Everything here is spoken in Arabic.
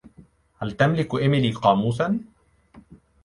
هل تملك إيميلي قاموساً ؟